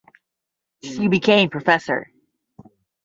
She became professor.